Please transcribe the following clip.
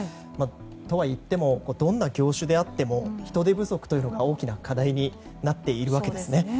とはいってもどんな業種であっても人手不足が大きな課題になっているわけです。